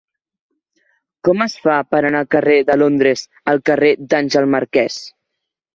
Com es fa per anar del carrer de Londres al carrer d'Àngel Marquès?